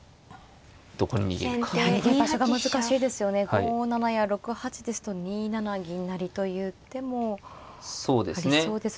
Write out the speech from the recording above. ５七や６八ですと２七銀成という手もありそうですし。